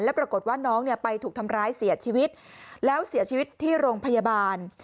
ปรากฏว่าน้องเนี่ยไปถูกทำร้ายเสียชีวิตแล้วเสียชีวิตที่โรงพยาบาล